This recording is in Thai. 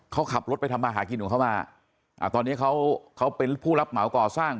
เขาขับรถไปทำมาหากินของเขามาอ่าตอนนี้เขาเขาเป็นผู้รับเหมาก่อสร้าง